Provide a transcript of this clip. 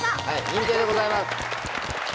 認定でございます。